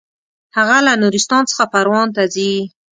هغه له نورستان څخه پروان ته ځي.